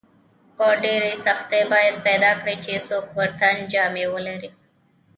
په ډېرې سختۍ به پیدا کړې چې څوک پر تن جامې ولري.